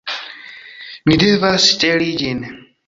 Ni devas ŝteli ĝin